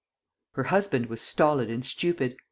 Her husband was stolid and stupid.